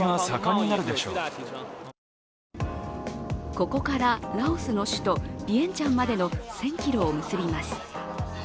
ここからラオスの首都ビエンチャンまでの１０００ｋｍを結びます。